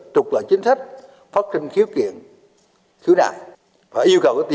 trục lợi chính sách phát trình khiếu kiện thứ này